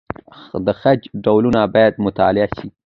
د خج ډولونه باید مطالعه سي.